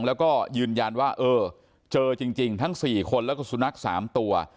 แล้วก็ยืนยันว่าเออเจอจริงทั้ง๔คนแล้วก็สุนัข๓ตัว